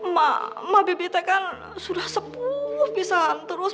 ma ma bibik teh kan sudah sepuluh pisahan terus